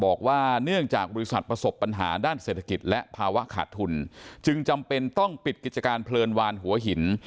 บอกว่าเนื่องจากบริษัทประสบปัญหาด้านเศรษฐกิจและภาวะขาดทุนจึงจำเป็นต้องปิดกิจการเพลินวานหัวหิน